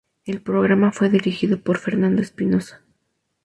El programa fue dirigido por Fernando Espinosa.